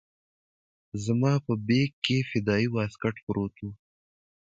زما په بېګ کښې فدايي واسکټ پروت و.